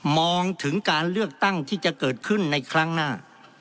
มองถึงการเลือกตั้งที่จะเกิดขึ้นในครั้งหน้า